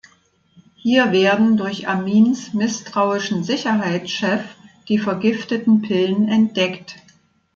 Hier werden durch Amins misstrauischen Sicherheitschef die vergifteten Pillen entdeckt.